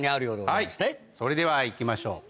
はいそれでは行きましょう。